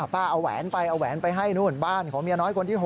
ป้าเอาแหวนไปเอาแหวนไปให้นู่นบ้านของเมียน้อยคนที่๖